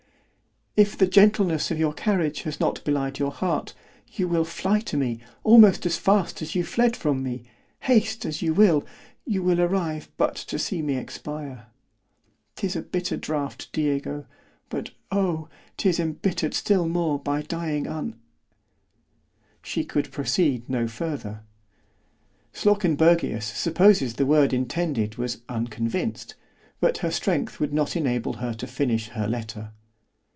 _ "If the gentleness of your carriage has not belied your heart, you will fly to me, almost as fast as you fled from me—haste as you will——you will arrive but to see me expire.——'Tis a bitter draught, Diego, but oh! 'tis embittered still more by dying un———" She could proceed no farther. Slawkenbergius supposes the word intended was unconvinced, but her strength would not enable her to finish her letter.